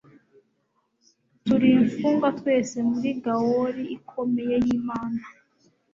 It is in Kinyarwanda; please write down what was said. Turi imfungwa twese muri Gaol Ikomeye yImana